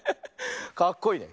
かっこいいね。